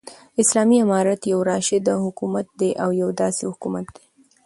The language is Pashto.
ح : اسلامې حكومت يو راشده حكومت دى يو داسي حكومت دى